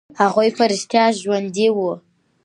هغوى په رښتيا ژوندي وو.